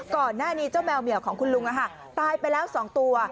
ก่อนหน้านี้เจ้าแมวเหมียวของคุณลุงตายไปแล้ว๒ตัว